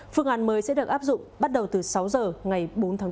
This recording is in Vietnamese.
phương án mới sẽ được áp dụng bắt đầu từ sáu giờ ngày bốn tháng bốn